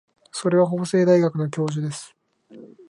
それは法政大学の教授です。